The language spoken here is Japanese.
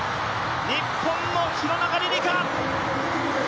日本の廣中璃梨佳